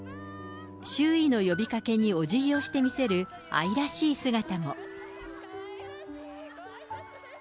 周囲の呼びかけに、おじぎをして見せる愛らしい姿も。